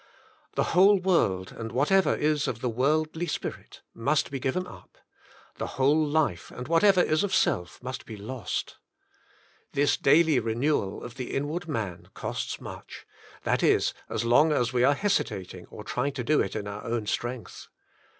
The whole world and whatever is of the wordly spirit, must be given up. The whole life and whatever is of self must be lost. This daily renewal of the inward man costs 132 The Inner Chamber much, that is, as long as we are hesitating, or try ing to do it in our own strength.